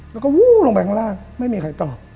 แล้วก็วู้ลงไปข้างล่างไม่มีใครตอบ